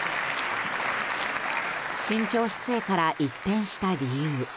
慎重姿勢から一転した理由。